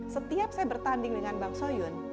setiap saya bertanding dengan bang soyun